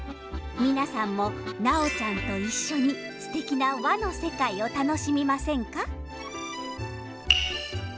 皆さんもナオちゃんと一緒にすてきな和の世界を楽しみませんか。